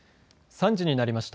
３時になりました。